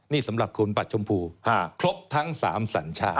หลักคุณประชุมภูรณ์ครบทั้ง๓สัญชาติ